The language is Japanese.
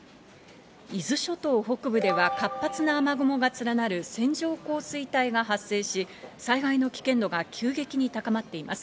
伊豆諸島北部では活発な雨雲が連なる線状降水帯が発生し、災害の危険度が急激に高まっています。